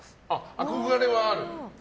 憧れはある？